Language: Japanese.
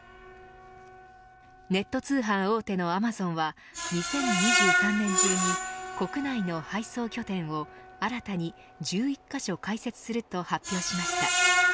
ネット通販大手のアマゾンは２０２３年中に国内の配送拠点を新たに１１カ所開設すると発表しました。